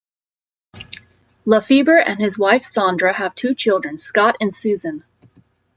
LaFeber and his wife, Sandra, have two children, Scott and Suzanne.